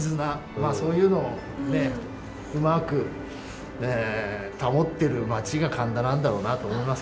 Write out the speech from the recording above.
まあそういうのをねうまく保ってる町が神田なんだろうなと思いますけどね。